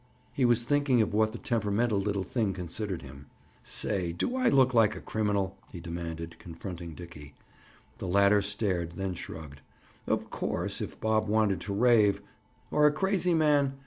He was thinking of what the temperamental little thing considered him. "Say, do I look like a criminal?" he demanded, confronting Dickie. The latter stared, then shrugged. Of course, if Bob wanted to rave—? "Or a crazy man?